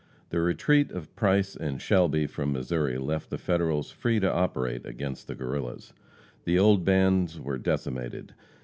The retreat of Price and Shelby from Missouri left the Federals free to operate against the Guerrillas. The old bands were decimated.